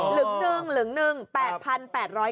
หลึกหนึ่ง๘๘๙๙เสียงครอง